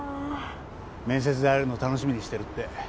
面接で会えるの楽しみにしてるって。